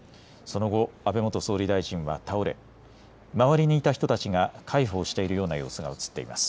その後、安倍元総理大臣は倒れ周りにいた人たちが介抱しているような様子が映っています。